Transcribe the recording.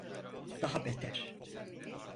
Daha beter.